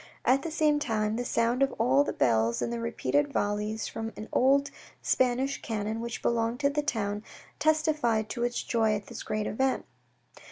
At the same time, the sound of all the bells and the repeated volleys from an old Spanish cannon which belonged to the town, testified to its joy at this great event.